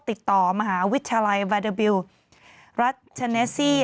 ติดต่อมหาวิทยาลัยบาเดอร์บิลรัฐเทเนสซี่